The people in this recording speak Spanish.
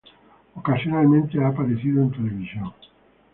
Ocasionalmente ha aparecido en televisión.